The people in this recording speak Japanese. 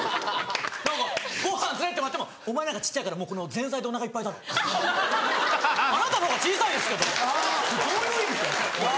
何かご飯連れてってもらっても「お前なんか小っちゃいからもうこの前菜でお腹いっぱいだろ」。あなたの方が小さいですけどどういう意味？と思って。